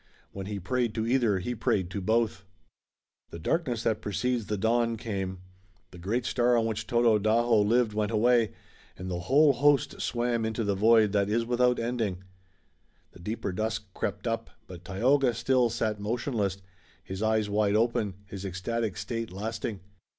When he prayed to either he prayed to both. The darkness that precedes the dawn came. The great star on which Tododaho lived went away, and the whole host swam into the void that is without ending. The deeper dusk crept up, but Tayoga still sat motionless, his eyes wide open, his ecstatic state lasting.